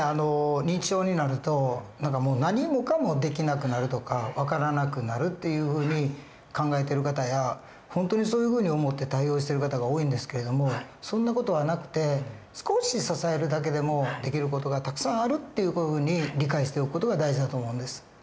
認知症になるともう何もかもできなくなるとか分からなくなるっていうふうに考えてる方や本当にそういうふうに思って対応してる方が多いんですけれどもそんな事はなくて少し支えるだけでもできる事がたくさんあるっていうふうに理解しておく事が大事だと思うんです。